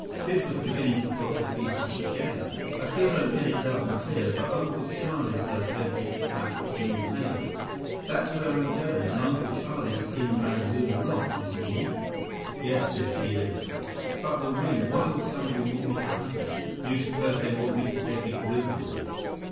Biff was beginning to put the pieces together. "I still don't get it loud and clear, but Uncle Charlie's located at Unhao. That's where I'm going. And Uncle Charlie's in Rangoon a lot, isn't he?" "Yes, Biff. He is." "But the ring—why would someone want me to have it? Do you suppose they want me to take it with me?"